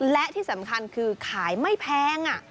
และที่สำคัญคือขายไม่แพง